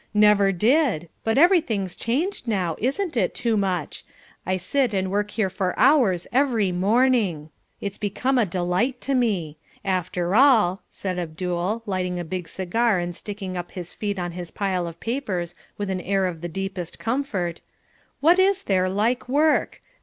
"Never did. But everything's changed now, isn't it, Toomuch? I sit and work here for hours every morning. It's become a delight to me. After all," said Abdul, lighting a big cigar and sticking up his feet on his pile of papers with an air of the deepest comfort, "what is there like work?